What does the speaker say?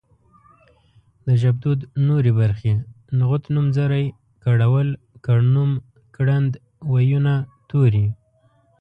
د ژبدود نورې برخې نغوت نومځری کړول کړنوم کړند وييونه توري